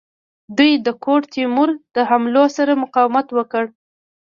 دوی د ګوډ تیمور د حملو سره مقاومت وکړ.